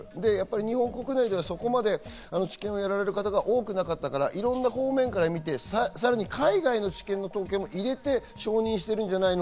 日本国内ではそこまで治験をやられる方が多くなかったから、いろんな方面からみて、さらに海外の治験の統計も入れて承認してるんじゃないの？